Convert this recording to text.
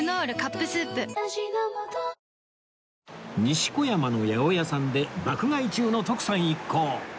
西小山の八百屋さんで爆買い中の徳さん一行